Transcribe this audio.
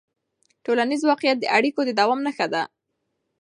ټولنیز واقیعت د اړیکو د دوام نښه ده.